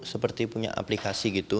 seperti punya aplikasi gitu